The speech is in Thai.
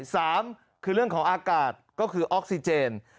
สามคือเรื่องของอากาศก็คือออกซิเจน